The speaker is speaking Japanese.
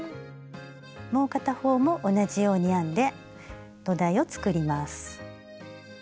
もう片方も同じように編んで土台を作ります。